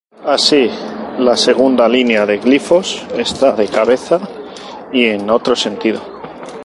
Así, la segunda línea de glifos está de cabeza y en otro sentido.